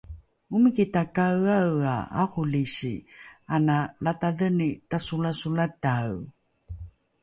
omiki takaeaea arolisi ana latadheni tasolasolatae